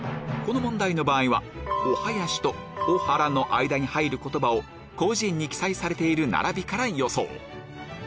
この問題の場合は「おはやし」と「おはら」の間に入る言葉を『広辞苑』に記載されている並びから予想